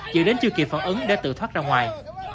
dựa đến chưa kịp phản ứng để tự thoát ra ngoài